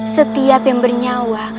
setiap yang bernyawa